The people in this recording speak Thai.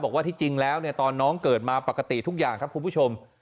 บอกว่าที่จริงแล้วตอนน้องเกิดมาปกติทุกอย่างครับคุณผู้ชม